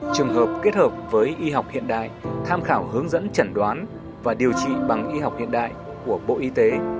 trường hợp kết hợp với y học hiện đại tham khảo hướng dẫn chẩn đoán và điều trị bằng y học hiện đại của bộ y tế